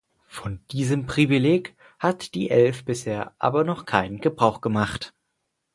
Von diesem Privileg hat die Elf bisher aber noch keinen Gebrauch gemacht.